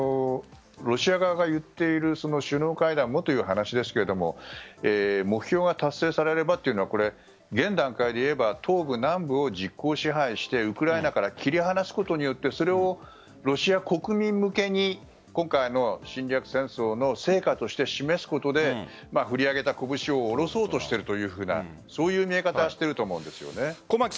ロシア側が言っている首脳会談もという話ですが目標が達成されればというのは現段階で言えば東部・南部を実効支配してウクライナから切り離すことによってそれをロシア国民向けに今回の侵略戦争の成果として示すことで振り上げたこぶしを下ろそうとしているというような見え方がしていると思います。